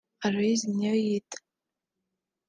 Aloys Niyoyita